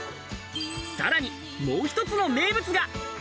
さらに、もう１つの名物が。